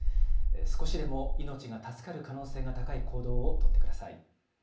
少しでも命が助かる可能性が高い行動を取ってください。